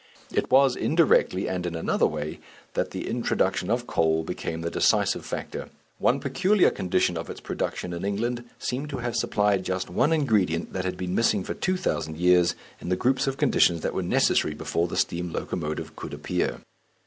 It was indirectly, and in another way, that the introduction of coal became the decisive factor. One peculiar condition of its production in England seems to have supplied just one ingredient that had been missing for two thousand years in the group of conditions that were necessary before the steam locomotive could appear.